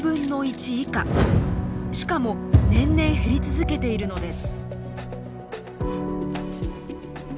しかも年々減り続けているのです。